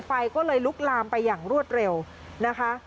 ไฟก็เลยลุกลามไปอย่างรวดเร็วนะคะ